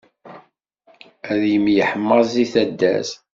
Ad yemyeḥmaẓ di taddart.